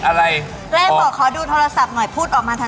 โอ้ใช่ฉลัดมาก